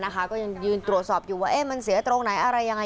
ก็ยังยืนตรวจสอบอยู่ว่ามันเสียตรงไหนอะไรยังไง